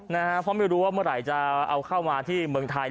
นะฮะเพราะไม่รู้ว่าเมื่อไหร่จะเอาเข้ามาที่เมืองไทย